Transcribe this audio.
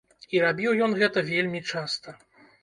І рабіў ён гэта вельмі часта.